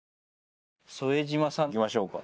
副島さんいきましょうか。